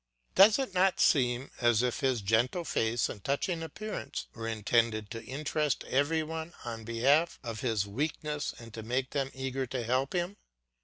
Does it not seem as if his gentle face and touching appearance were intended to interest every one on behalf of his weakness and to make them eager to help him?